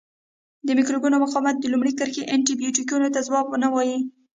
د مکروبونو مقاومت د لومړۍ کرښې انټي بیوټیکو ته ځواب نه وایي.